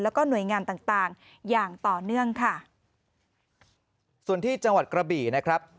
แล้วก็หน่วยงานต่างต่างอย่างต่อเนื่องค่ะส่วนที่จังหวัดกระบี่นะครับ